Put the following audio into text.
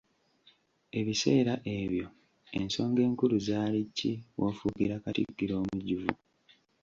Ebiseera ebyo ensonga enkulu zaali ki w’ofuukira Katikkiro omujjuvu?